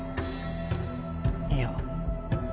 いや。